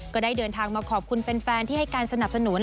ก็ได้เดินทางมาขอบคุณแฟนที่ให้การสนับสนุน